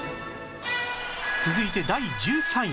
続いて第１３位